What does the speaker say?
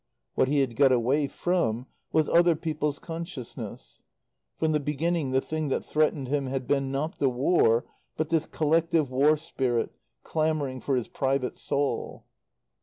What he had got away from was other people's consciousness. From the beginning the thing that threatened him had been, not the War but this collective war spirit, clamouring for his private soul.